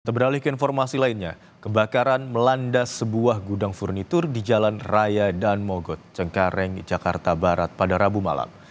beralih ke informasi lainnya kebakaran melanda sebuah gudang furnitur di jalan raya dan mogot cengkareng jakarta barat pada rabu malam